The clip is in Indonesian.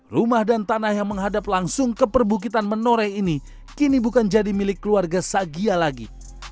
rumah dan tanah yang menghadap langsung ke perbukitan menore ini kini bukan jadi milik keluarga sagia lagi